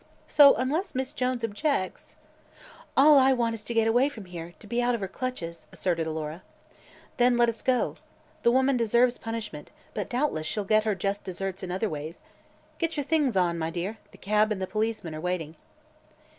So, unless Miss Jones objects " "All I want it to get away from here, to be out of her clutches," asserted Alora. "Then let us go. The woman deserves punishment, but doubtless she'll get her just deserts in other ways. Get your things on, my dear; the cab and the policemen are waiting."